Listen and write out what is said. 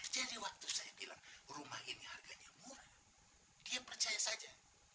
waktu saya bilang rumah ini harganya murah dia percaya saja